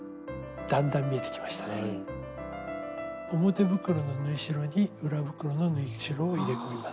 表袋の縫い代に裏袋の縫い代を入れ込みます。